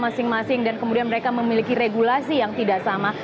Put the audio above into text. masing masing dan kemudian mereka memiliki regulasi yang tidak sama